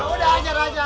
udah ajar aja